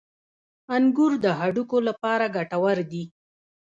• انګور د هډوکو لپاره ګټور دي.